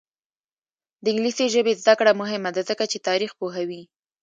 د انګلیسي ژبې زده کړه مهمه ده ځکه چې تاریخ پوهوي.